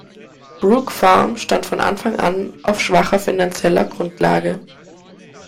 Brook Farm stand von Anfang an auf schwacher finanzieller Grundlage.